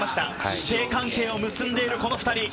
師弟関係を結んでいる、この２人。